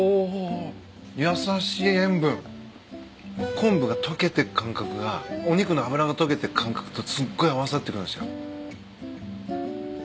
コンブが溶けてく感覚がお肉の脂が溶けてく感覚とすっごい合わさってくるんですよ。